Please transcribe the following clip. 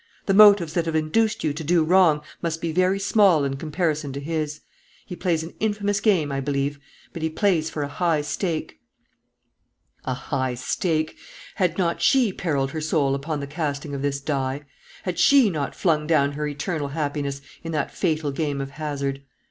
The motives that have induced you to do wrong must be very small in comparison to his. He plays an infamous game, I believe; but he plays for a high stake." A high stake! Had not she perilled her soul upon the casting of this die? Had she not flung down her eternal happiness in that fatal game of hazard?